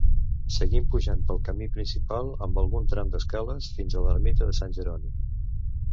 Seguim pujant pel camí principal amb algun tram d'escales, fins a l'ermita de Sant Jeroni.